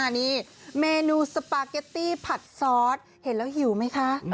ตอนนี้เมนูสปาเก็ตตี้ผัดซอสเห็นแล้วหิวมั้ยคะ